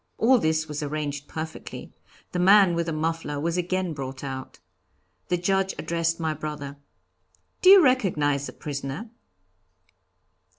All this was arranged perfectly. The man with the muffler was again brought out. The Judge addressed my brother. 'Do you recognize the prisoner?'